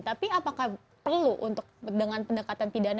tapi apakah perlu untuk dengan pendekatan pidana